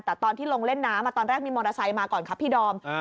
แต่ตอนที่ลงเล่นน้ำตอนแรกมีมอเตอร์ไซค์มาก่อนครับพี่ดอม